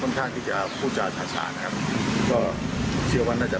เราต้องไปสู่ท่าบต่อว่า